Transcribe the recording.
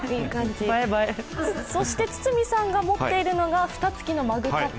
そして堤さんが持っているのが蓋つきのマグカップ。